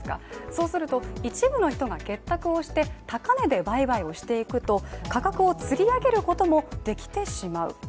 そうすると、一部の人が結託をして高値で売買をしていくと価格を吊り上げることもできてしまう。